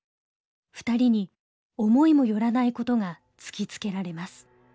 ２人に思いも寄らないことが突きつけられます。